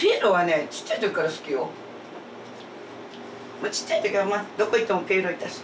まあちっちゃい時はどこ行ってもピエロいたし。